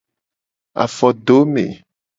Afodome.